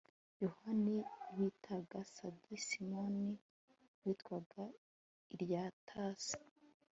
yohani bitaga gadi, simoni witwaga irya tasi